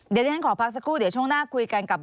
เดี๋ยวที่ฉันขอพักสักครู่เดี๋ยวช่วงหน้าคุยกันกับ